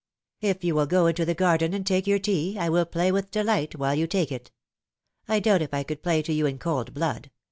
" If you will go into the garden and take your tea, I will play with delight while you take it. I doubt if I could play to you in cold blood.